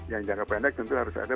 yang jangka pendek tentu harus ada